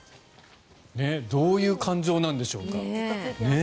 どういう感情なんでしょうか。